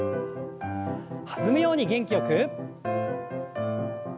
弾むように元気よく。